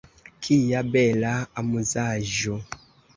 Kia bela amuzaĵo!